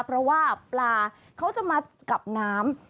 เพราะว่าปลาเขาจะมากับน้ำ